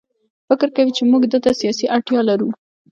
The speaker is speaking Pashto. فکر کوي چې موږ ده ته سیاسي اړتیا لرو.